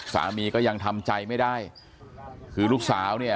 สามีก็ยังทำใจไม่ได้คือลูกสาวเนี่ย